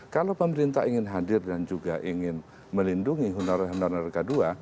kalau pemerintah ingin hadir dan juga ingin melindungi honorer honorer kedua